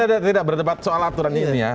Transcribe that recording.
anda tidak berdebat soal aturan ini ya